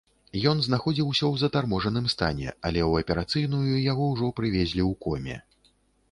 Ён знаходзіўся ў затарможаным стане, але ў аперацыйную яго ўжо прывезлі ў коме.